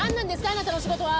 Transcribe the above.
あなたの仕事は！